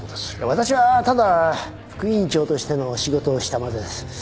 私はただ副院長としての仕事をしたまでです。